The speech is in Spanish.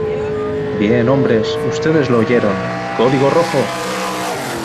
Bien, hombres. Ustedes lo oyeron .¡ código rojo!